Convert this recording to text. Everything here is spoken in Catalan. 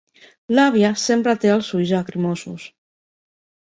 L'àvia sempre té els ulls llagrimosos.